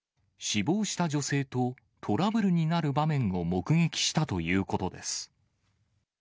死亡した女性とトラブルになる場面を目撃したということです。